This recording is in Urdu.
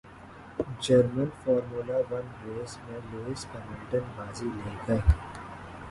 جرمن فارمولا ون ریس میں لوئس ہملٹن بازی لے گئے